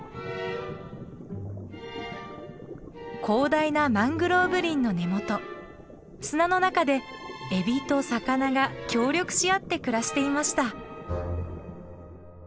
広大なマングローブ林の根元砂の中でエビと魚が協力し合って暮らしていました。